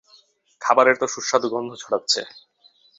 খাবারের তো সুস্বাদু গন্ধ ছড়াচ্ছে।